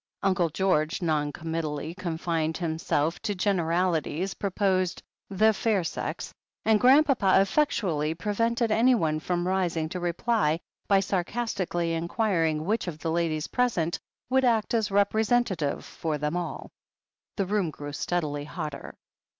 Uncle George, non committally confining himself to generalities, proposed "The Fair Sex," and Grandpapa effectually prevented anyone from rising to reply by sarcastically inquiring which of the ladies present would act as representative for them all. The room grew steadily hotter.